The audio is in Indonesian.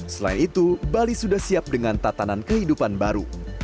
selain itu bali sudah siap dengan tatanan kehidupan baru